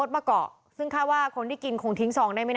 และก็คือว่าถึงแม้วันนี้จะพบรอยเท้าเสียแป้งจริงไหม